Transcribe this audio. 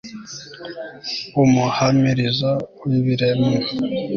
umuhamirizo w'ibiremwa